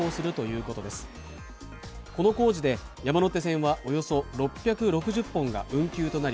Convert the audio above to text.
この工事で山手線はおよそ６６０本が運休となり、